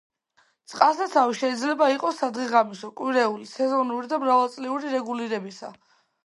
წყალსაცავი შეიძლება იყოს სადღეღამისო, კვირეული, სეზონური და მრავალწლიური რეგულირებისა.